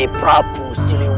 siapa yang lebih drain hemat